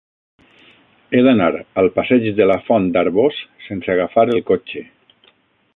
He d'anar al passeig de la Font d'Arboç sense agafar el cotxe.